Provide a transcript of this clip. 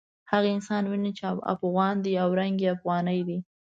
هغه انسان وینم چې افغان دی او رنګ یې افغاني دی.